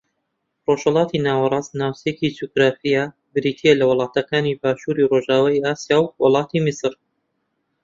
ڕۆژھەڵاتی ناوەڕاست ناوچەیەکی جوگرافییە بریتی لە وڵاتەکانی باشووری ڕۆژاوای ئاسیا و وڵاتی میسر